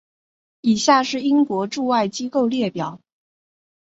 以下是英国驻外机构列表。